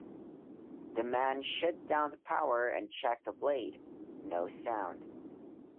The men shut down the power and check the blade: no sound.